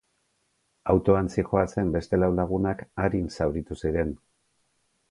Autoan zihoazen beste lau lagunak arin zauritu ziren.